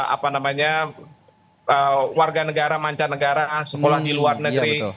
apa namanya warga negara mancanegara sekolah di luar negeri